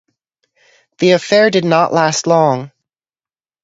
The affair did not last long.